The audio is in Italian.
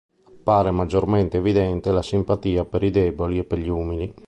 Appare maggiormente evidente la simpatia per i deboli e per gli umili.